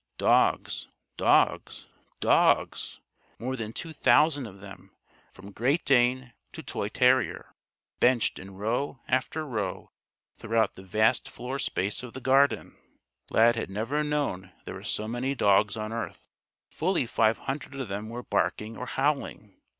Dogs dogs DOGS! More than two thousand of them, from Great Dane to toy terrier, benched in row after row throughout the vast floor space of the Garden! Lad had never known there were so many dogs on earth. Fully five hundred of them were barking or howling.